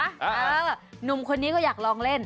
หนุ่มคนนี้ก็อยากลองเล่น